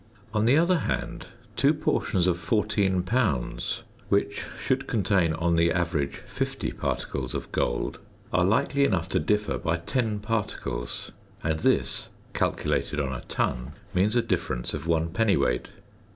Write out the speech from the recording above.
On the other hand, two portions of 14 lbs., which should contain on the average 50 particles of gold, are likely enough to differ by 10 particles, and this, calculated on a ton, means a difference of 1 dwt.